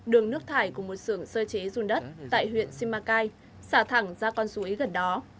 đường nước thải của một sưởng sơ chế dùng đất tại huyện simacai xả thẳng ra con suối gần đó